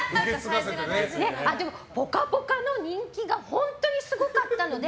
でも「ぽかぽか」の人気が本当にすごかったので